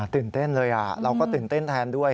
ตื่นเต้นเลยเราก็ตื่นเต้นแทนด้วย